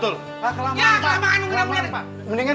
udah tahan tahan